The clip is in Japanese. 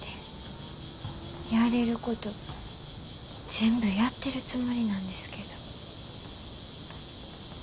やれること全部やってるつもりなんですけど。